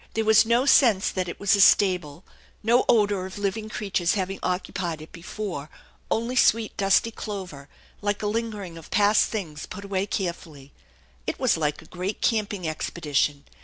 There was no sense that it was a stable, no odor of living creatures having occupied it before, only sweet dusty clover like a lingering of past things put away carefully. It was like a great camping expedition.